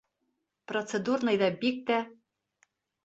Процедурныйҙа бик тә...